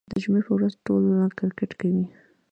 د جمعې په ورځ ټول کرکټ کوي.